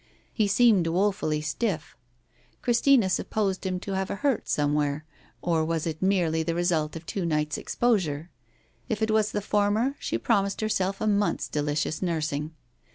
He seemed woefully stiff. Christina supposed him to have a hurt somewhere, or was it merely the result of two nights' exposure? If it was the former, she promised herself a month's delicious nursing.